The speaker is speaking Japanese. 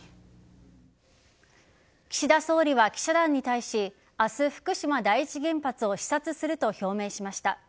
岸田総理は記者団に対し明日、福島第一原発を視察すると表明しました。